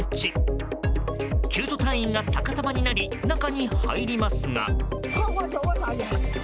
救助隊員が逆さまになり中に入りますが。